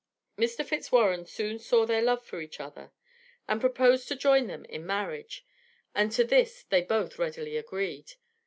Mr. Fitzwarren soon saw their love for each other, and proposed to join them in marriage; and to this they both readily agreed.